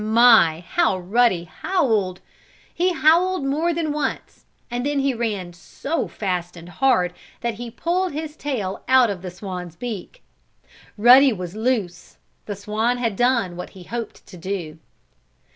My, how Ruddy howled! He howled more than once, and then he ran so fast and hard that he pulled his tail out of the swan's beak. Ruddy was loose. The swan had done what he hoped to do.